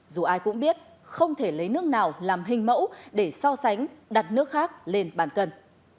dù ai cũng biết không thể lấy nước nào làm hình mẫu để so sánh đặt nước khác lên bàn cân